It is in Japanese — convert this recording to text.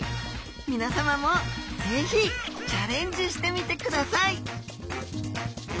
皆さまも是非チャレンジしてみてください！